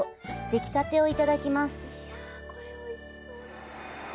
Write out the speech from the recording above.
できたてをいただきます。